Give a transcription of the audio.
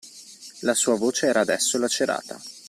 La sua voce era adesso lacerata.